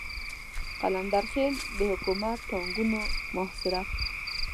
قلندر خېل د حکومت ټانګونو محاصره کړ.